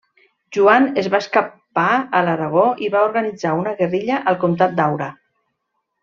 Joan es va escapar a l'Aragó i va organitzar una guerrilla al Comtat d'Aura.